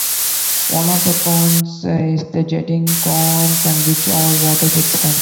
One of the cones is the jetting cone from which all water jets come.